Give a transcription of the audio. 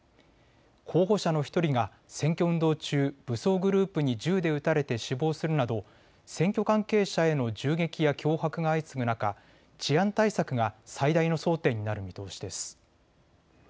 候補者の１人が選挙運動中、武装グループに銃で撃たれて死亡するなど選挙関係者への銃撃や脅迫が相次ぐ中、治安対策が最大の争点になる見通しです。